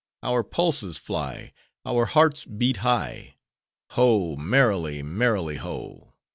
— Our pulses fly, Our hearts beat high, Ho! merrily, merrily, ho!